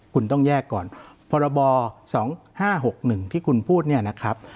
คุณต้องแยกก่อนพรบ๒๕๖๑ที่คุณพูดเนี่ยนะครับ